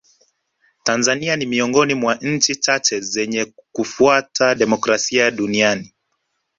tanzania ni miongoni mwa nchi chache zenye kufuata demokrasia duniani